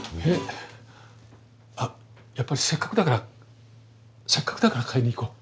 あっやっぱりせっかくだからせっかくだから買いに行こう。